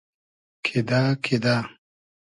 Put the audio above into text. کیدۂ کیدۂ